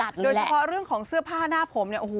โดยเฉพาะเรื่องของเสื้อผ้าหน้าผมเนี่ยโอ้โห